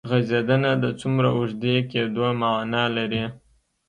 غځېدنه د څومره اوږدې کېدو معنی لري.